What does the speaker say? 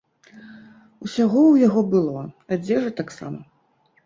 Усяго ў яго было, адзежа таксама!